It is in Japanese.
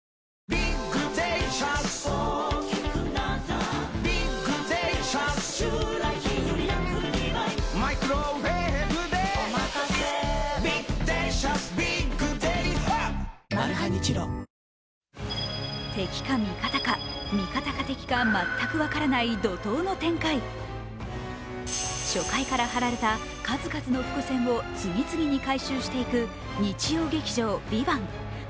最終回でタイトルの意味が回収されるものもある中、敵か味方か、味方か敵か全く分からない怒とうの展開、初回から張られた数々の伏線を次々に解消していく日曜劇場「ＶＩＶＡＮＴ」。